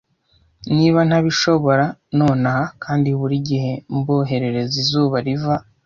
Niba ntabishobora nonaha kandi buri gihe mboherereza izuba riva.